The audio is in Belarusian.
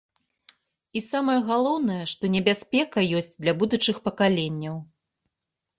І самае галоўнае, што небяспека ёсць для будучых пакаленняў.